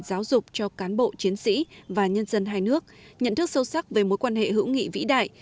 giáo dục cho cán bộ chiến sĩ và nhân dân hai nước nhận thức sâu sắc về mối quan hệ hữu nghị vĩ đại